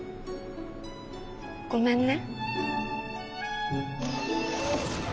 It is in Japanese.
ごめんね。